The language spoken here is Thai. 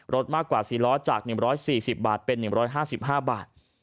รถมากกว่า๔ล้อจาก๑๔๐บาทเป็น๑๕๕บาท